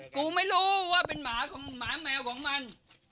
กูไม่รู้ว่าเป็นหมาของหมาแมวของมัน